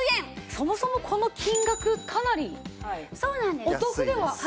そもそもこの金額かなりお得ではありますよね。